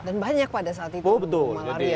dan banyak pada saat itu malaria ya